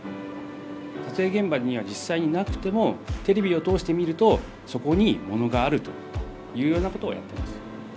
撮影現場には実際になくてもテレビを通して見るとそこにものがあるというようなことをやってます。